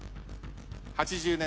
８０年